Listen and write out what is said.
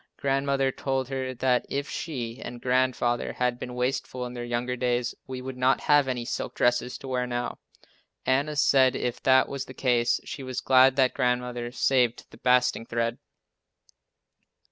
Grandmother told her that if she and Grandfather had been wasteful in their younger days, we would not have any silk dresses to wear now. Anna said if that was the case she was glad that Grandmother saved the basting thread!